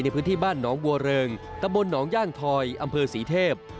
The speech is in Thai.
ในพื้นที่บ้านหนองบัวเริงตะบนหนองย่างทอยอำเภอศรีเทพ